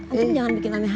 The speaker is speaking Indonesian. antum jangan bikin aneh aneh